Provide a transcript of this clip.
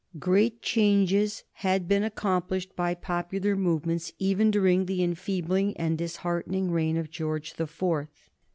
Great changes had been accomplished by popular movements even during the enfeebling and disheartening reign of George the Fourth.